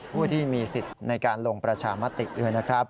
ผู้ที่มีสิทธิ์ในการลงประชามติด้วยนะครับ